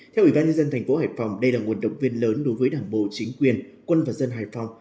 theo ubnd tp hải phòng đây là nguồn động viên lớn đối với đảng bộ chính quyền quân và dân hải phòng